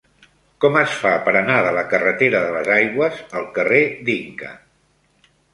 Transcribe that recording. Com es fa per anar de la carretera de les Aigües al carrer d'Inca?